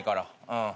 うん。